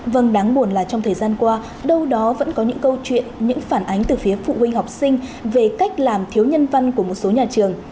vâng đáng buồn là trong thời gian qua đâu đó vẫn có những câu chuyện những phản ánh từ phía phụ huynh học sinh về cách làm thiếu nhân văn của một số nhà trường